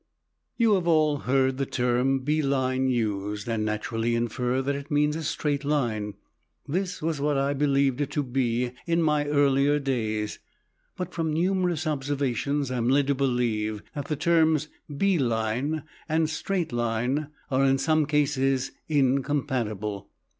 You have all heard the term "bee line" used, and naturally infer that it means a straight line. This was what I believed it to be in my earlier days, but from numerous observations I am led to believe that the terms "bee line" and "straight line" are in some cases incompatible.